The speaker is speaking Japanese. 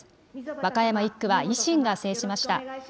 和歌山１区は維新が制しました。